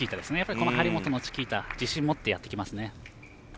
この張本のチキータ自信持って、やってきますね。